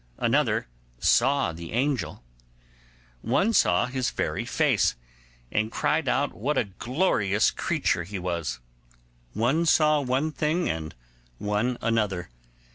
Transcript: Another saw the angel. One saw his very face, and cried out what a glorious creature he was! One saw one thing, and one another.